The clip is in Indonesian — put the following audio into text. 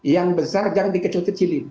yang besar jangan dikecil kecilin